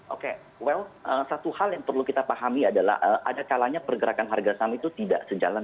oke well satu hal yang perlu kita pahami adalah ada kalanya pergerakan harga saham itu tidak sejalan